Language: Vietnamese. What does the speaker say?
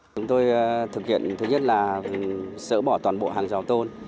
chúng tôi thực hiện thứ nhất là sỡ bỏ toàn bộ hàng rào tôn